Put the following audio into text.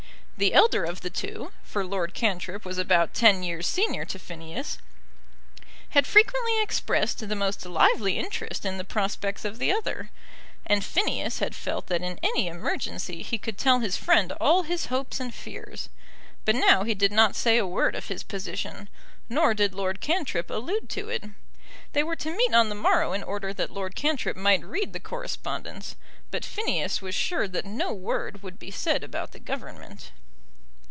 The elder of the two, for Lord Cantrip was about ten years senior to Phineas, had frequently expressed the most lively interest in the prospects of the other; and Phineas had felt that in any emergency he could tell his friend all his hopes and fears. But now he did not say a word of his position, nor did Lord Cantrip allude to it. They were to meet on the morrow in order that Lord Cantrip might read the correspondence; but Phineas was sure that no word would be said about the Government.